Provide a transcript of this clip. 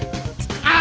あ！